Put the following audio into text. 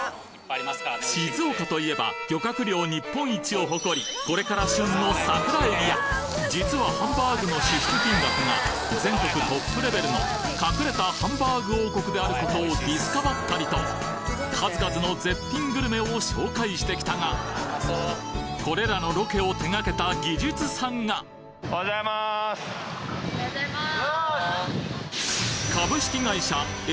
静岡といえば漁獲量日本一を誇りこれから旬の桜エビや実はハンバーグの支出金額が全国トップレベルの隠れたハンバーグ王国である事をディスカバったりと数々の絶品グルメを紹介してきたがこれらのロケを手がけた技術さんがおはようございます！